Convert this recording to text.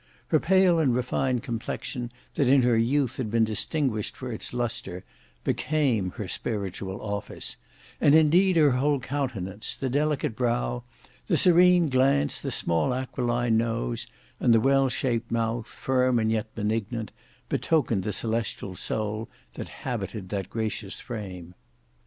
Her pale and refined complexion that in her youth had been distinguished for its lustre, became her spiritual office; and indeed her whole countenance, the delicate brow, the serene glance, the small aquiline nose, and the well shaped mouth, firm and yet benignant, betokened the celestial soul that habited that gracious frame.